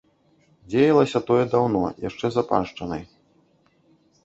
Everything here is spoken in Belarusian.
Дзеялася тое даўно, яшчэ за паншчынай.